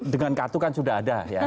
dengan kartu kan sudah ada ya